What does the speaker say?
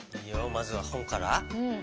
まずはほんから？